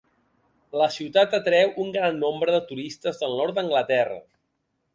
La ciutat atreu un gran nombre de turistes del nord d'Anglaterra.